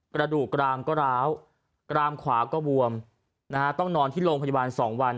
กระดูกกรามก็ร้าวกรามขวาก็บวมนะฮะต้องนอนที่โรงพยาบาล๒วัน